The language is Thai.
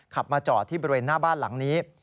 ขับมาจอดที่บริเวณหน้าบ้านหลังนี้